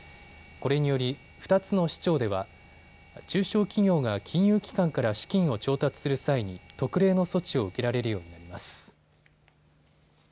これにより２つの市町では中小企業が金融機関から資金を調達する際に特例の措置を受けられるようになります。